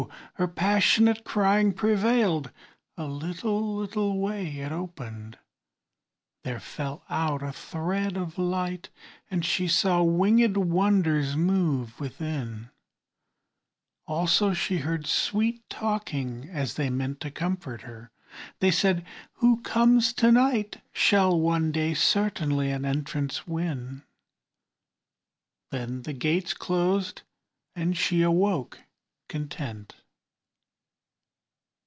her passionate Crying prevailed. A little little way It opened: there fell out a thread of light, And she saw wingèd wonders move within; Also she heard sweet talking as they meant To comfort her. They said, "Who comes to night Shall one day certainly an entrance win;" Then the gate closed and she awoke content.